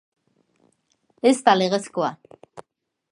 Ez da legezkoa.